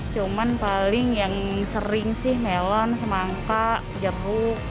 cuman paling yang sering sih melon semangka jabu